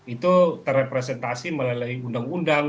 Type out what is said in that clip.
itu terrepresentasi melalui undang undang